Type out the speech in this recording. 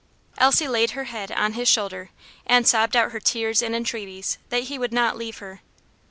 Elsie laid her head on his shoulder, and sobbed out her tears and entreaties that he would not leave her.